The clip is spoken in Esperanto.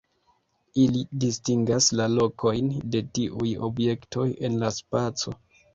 Ili distingas la lokojn de tiuj objektoj en la spaco.